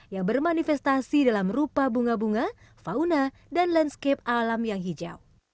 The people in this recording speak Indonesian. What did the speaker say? yang bermanifestasi dalam rupa bunga bunga fauna dan landscape alam yang hijau